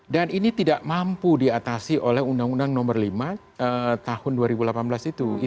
dan ini tidak mampu diatasi oleh undang undang nomor lima tahun dua ribu delapan belas itu